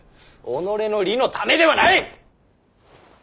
己の利のためではない！